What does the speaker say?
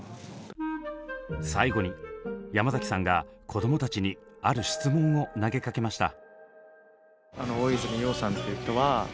最後に山崎さんがこどもたちにある質問を投げかけました。